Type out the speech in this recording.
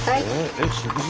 えっ食事？